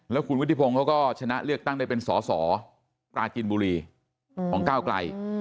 แล้วคุณวุฒิพงศ์เขาก็ชนะเลือกตั้งได้เป็นสอสอปราจินบุรีของก้าวไกล